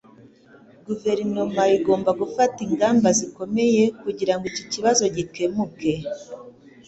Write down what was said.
Guverinoma igomba gufata ingamba zikomeye kugirango iki kibazo gikemuke.